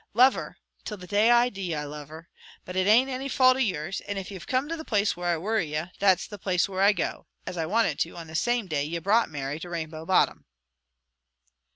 Love her! Till the day I dee I'll love her. But it ain't any fault of yours, and if ye've come to the place where I worry ye, that's the place where I go, as I wanted to on the same day ye brought Mary to Rainbow Bottom."